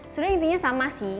sebenernya intinya sama sih